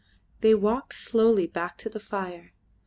They walked slowly back to the fire.